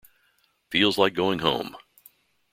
Feels like going home.